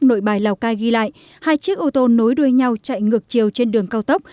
nội bài lào cai ghi lại hai chiếc ô tô nối đuôi nhau chạy ngược chiều trên đường cao tốc